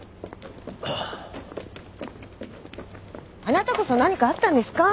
あなたこそ何かあったんですか？